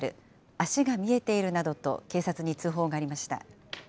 足が見えているなどと警察に通報がありました。